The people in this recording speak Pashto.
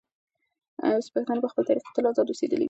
پښتانه په خپل تاریخ کې تل ازاد اوسېدلي دي.